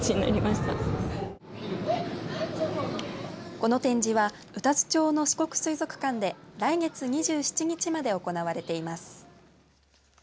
この展示は宇多津町の四国水族館で来月２７日まで行われています。